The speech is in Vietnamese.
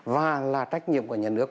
và là trách nhiệm của nhà nước